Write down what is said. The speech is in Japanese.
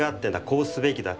こうすべきだ。